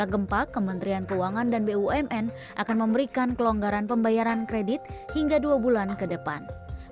setelah gempa kementerian keuangan dan bumn akan memberikan kelonggaran pembayaran kredit hingga dua bulan ke depan